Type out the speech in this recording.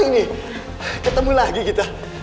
kali ini ketemu lagi kita